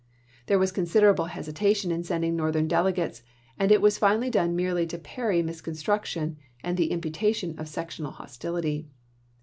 There was considerable hesitation in sending Northern delegates, and it was finally done merely to parry misconstruction and the imputation of sectional hostility.